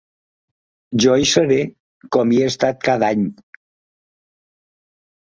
Jo hi seré, com hi he estat cada any.